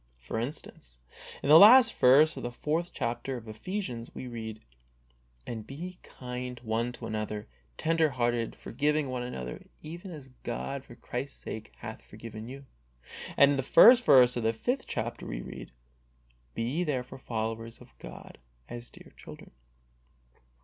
For instance, in the last verse of the fourth chapter of Ephesians, we read, " And be ye kind one to another, tender hearted, forgiving one another, even as God for Christ's sake hath forgiven you," and in the first verse of the fifth chapter we read, " Be ye therefore followers of God as dear children."